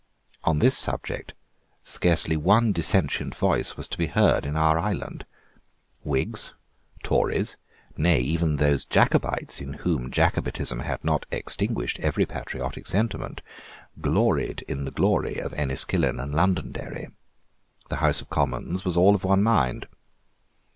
On this subject scarcely one dissentient voice was to be heard in our island. Whigs, Tories, nay even those Jacobites in whom Jacobitism had not extinguished every patriotic sentiment, gloried in the glory of Enniskillen and Londonderry. The House of Commons was all of one mind.